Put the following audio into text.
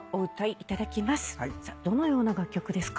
どのような楽曲ですか？